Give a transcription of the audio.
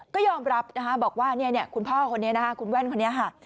ก็ยอมรับบอกว่าคุณพ่อคนนี้คุณแว่นคนนี้